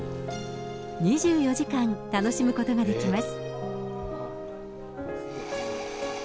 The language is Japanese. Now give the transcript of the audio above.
２４時間楽しむことができます。